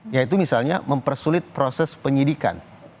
yaitu misalnya mempersulit proses penyidikan